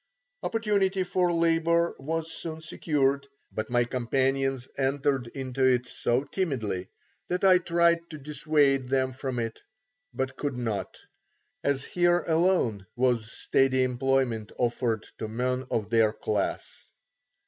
Opportunity for labour was soon secured, but my companions entered into it so timidly that I tried to dissuade them from it, but could not, as here alone was steady employment offered to men of their class.